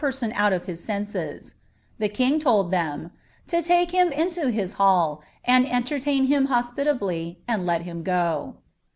Ml out of his scnBes," The king lold ihem "to lake him into his , nud entertain him hospitably, and let him go."